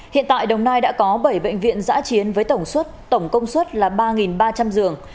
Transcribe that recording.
hiện tại đồng nai đã có bảy bệnh viện giã chiến với tổng công suất ba ba trăm linh giường